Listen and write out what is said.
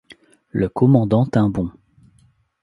Le commandant tint bon.